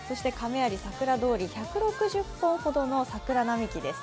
亀有さくら通り、１６０本ほどの桜並木です。